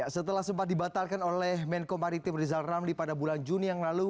setelah sempat dibatalkan oleh menko maritim rizal ramli pada bulan juni yang lalu